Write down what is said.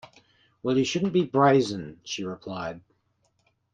“Well, you shouldn’t be brazen,” she replied.